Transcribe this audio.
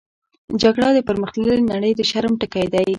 جګړه د پرمختللې نړۍ د شرم ټکی دی